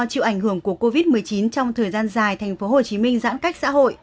chịu ảnh hưởng của covid một mươi chín trong thời gian dài thành phố hồ chí minh giãn cách xã hội